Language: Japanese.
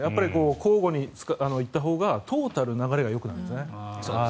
交互に行ったほうがトータルで流れがよくなるんです。